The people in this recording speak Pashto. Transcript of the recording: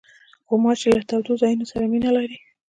غوماشې له تودو ځایونو سره مینه لري.